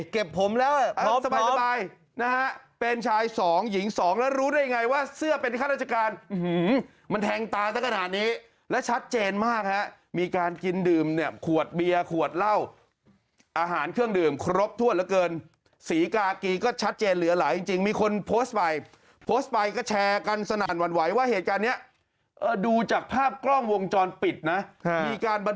เก็บผมแล้วสบายเป็นชาย๒หญิง๒แล้วรู้ได้ยังไงว่าเสื้อเป็นข้าวราชการ